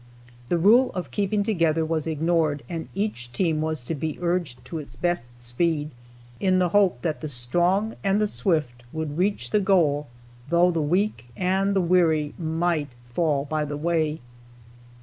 The rule for keeping together was ignored and each team was to be urged to its best speed, in the hope that the strong and the swift would reach the goal though the weak and the weary might fall by the way.